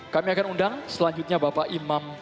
kami akan undang selanjutnya bapak imam